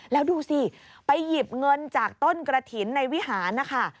แล้วดูสิไปหยิบเงินจากต้นกระถิ่นในวิหารนะคะ